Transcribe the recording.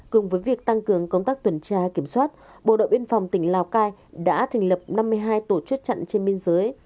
cùng với việc tăng cường công tác tuần tra kiểm soát bộ đội biên phòng tỉnh lào cai đã thành lập năm mươi hai tổ chức chặn trên biên giới